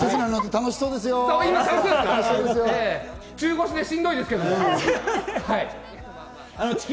中腰でしんどいですけど。